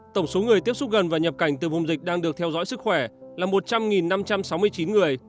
tổng số người tiếp xúc gần và nhập cảnh từ vùng dịch đang được theo dõi sức khỏe là một trăm linh năm trăm sáu mươi chín người